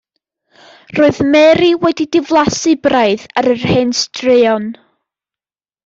Roedd Mary wedi diflasu braidd ar yr hen straeon.